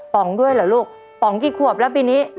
๋องด้วยเหรอลูกป๋องกี่ขวบแล้วปีนี้